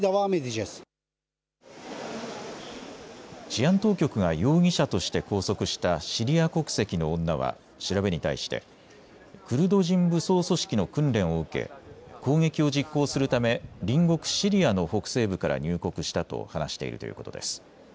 治安当局が容疑者として拘束したシリア国籍の女は調べに対してクルド人武装組織の訓練を受け攻撃を実行するため隣国シリアの北西部から入国したと話しているということです。